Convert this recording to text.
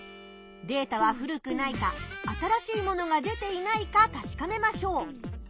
データは古くないか新しいものが出ていないかたしかめましょう。